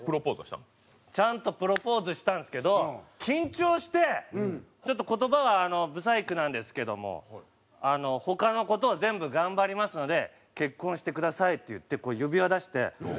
ちゃんとプロポーズしたんですけど緊張してちょっと言葉は「不細工なんですけども他の事を全部頑張りますので結婚してください」って言ってこう指輪出してで。